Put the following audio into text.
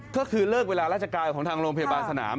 ก็คือเลิกเวลาราชการของทางโรงพยาบาลสนาม